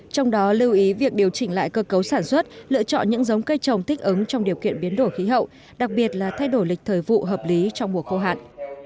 trong đó lưu ý việc điều chỉnh lại cơ cấu sản xuất lựa chọn những giống cây trồng thích ứng trong điều kiện biến đổi khí hậu đặc biệt là thay đổi lịch thời vụ hợp lý trong mùa khô hạn